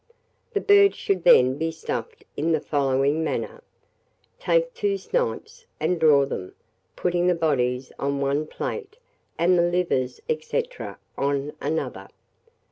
The bird should then be stuffed in the following manner: Take two snipes, and draw them, putting the bodies on one plate, and the livers, &c., on another.